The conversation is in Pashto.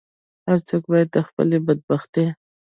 هر څوک باید د خپلې بدبختۍ.